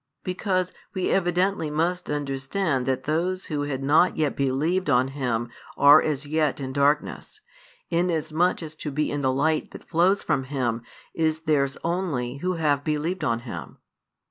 Because we evidently must understand that those who had not yet believed on Him are as yet in darkness, inasmuch as to be in the light that flows from Him is theirs only who have believed on Him.